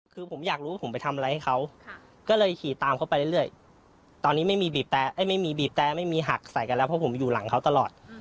คือผมอยากรู้ว่าผมไปทำอะไรให้เขาก็เลยขี่ตามเขาไปเรื่อยตอนนี้ไม่มีบีบแต่ไม่มีหักใส่กันแล้วเพราะผมอยู่หลังเขาตลอด